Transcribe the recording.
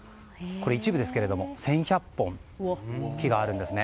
これは一部ですが１１００本木があるんですね。